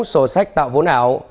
sổ sách tạo vốn ảo